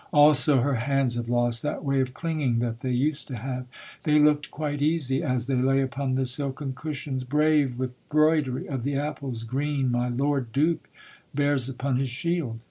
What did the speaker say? Also her hands have lost that way Of clinging that they used to have; They look'd quite easy, as they lay Upon the silken cushions brave With broidery of the apples green My Lord Duke bears upon his shield.